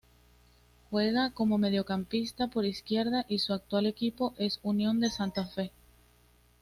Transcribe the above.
Juega como mediocampista por izquierda y su actual equipo es Unión de Santa Fe.